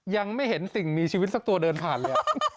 ยังไม่เห็นติ่งมีชีวิตสักตัวเดินผ่านเลย